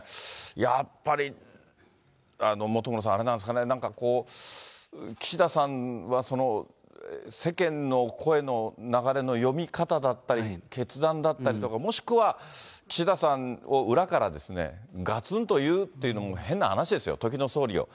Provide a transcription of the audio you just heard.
やっぱり本村さん、あれなんですかね、なんか岸田さんは、世間の声の流れの読み方だったり、決断だったりとか、もしくは岸田さんを裏からですね、がつんと言うっていうのも、変な話ですよ、時の総理を。